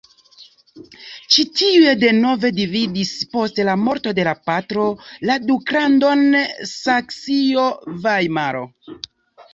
Ci tiuj denove dividis post la morto de la patro la duklandon Saksio-Vajmaro.